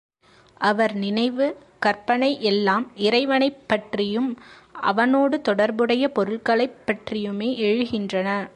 அவர் நினைவு, கற்பனை எல்லாம் இறைவனைப் பற்றியும் அவனோடு தொடர்புடைய பொருள்களைப் பற்றியுமே எழுகின்றன.